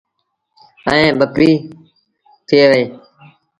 ائيٚݩ ٻڪريٚ ٿئي وهي۔